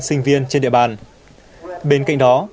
sinh viên trên địa bàn bên cạnh đó